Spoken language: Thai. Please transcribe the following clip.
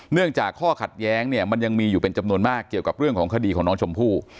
เนื่องจากข้อขัดแย้งเนี่ยมันยังมีอยู่เป็นจำนวนมากเกี่ยวกับเรื่องของคดีของน้องชมพู่